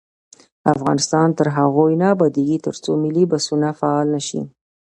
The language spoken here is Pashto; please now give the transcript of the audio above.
افغانستان تر هغو نه ابادیږي، ترڅو ملي بسونه فعال نشي.